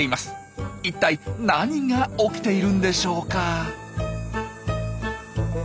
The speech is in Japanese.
一体何が起きているんでしょうか？